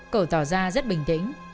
cầu tỏ ra rất bình tĩnh